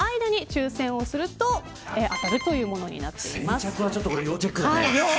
先着は要チェックだね。